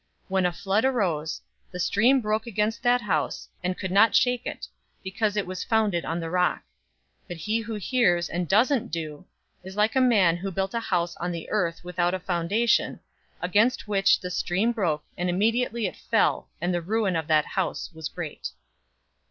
When a flood arose, the stream broke against that house, and could not shake it, because it was founded on the rock. 006:049 But he who hears, and doesn't do, is like a man who built a house on the earth without a foundation, against which the stream broke, and immediately it fell, and the ruin of that house was great."